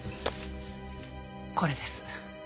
これです。